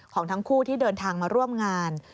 ของทั้งคู่ที่เดินทางมาร่วมงาน